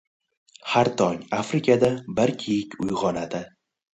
Har tong Afrikada bir kiyik uygʻonadi.